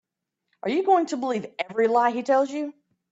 Are you going to believe every lie he tells you?